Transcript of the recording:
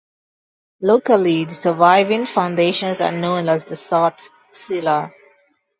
Locally the surviving foundations are known as the "salt cellar".